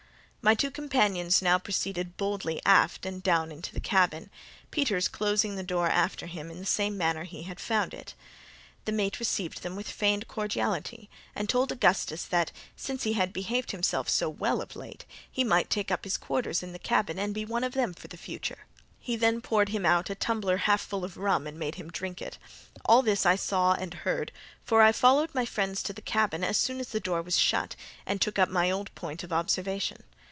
My two companions now proceeded boldly aft and down into the cabin, Peters closing the door after him in the same manner he had found it. The mate received them with feigned cordiality, and told Augustus that, since he had behaved himself so well of late, he might take up his quarters in the cabin and be one of them for the future. He then poured him out a tumbler half full of rum, and made him drink it. All this I saw and heard, for I followed my friends to the cabin as soon as the door was shut, and took up my old point of observation.